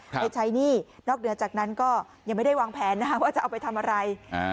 ไปใช้หนี้นอกเหนือจากนั้นก็ยังไม่ได้วางแผนนะคะว่าจะเอาไปทำอะไร